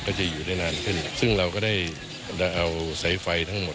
ก็จะอยู่ได้นานขึ้นซึ่งเราก็ได้เอาสายไฟทั้งหมด